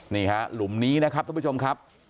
นี่ฮะหลุมนี้นะครับท่านผู้ชมครับ